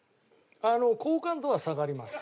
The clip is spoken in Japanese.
好感度は下がります。